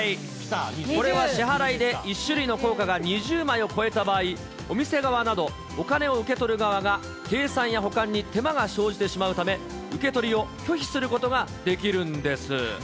これは支払いで、１種類の硬貨が２０枚を超えた場合、お店側など、お金を受け取る側が、計算や保管に手間が生じてしまうため、受け取りを拒否することができるんです。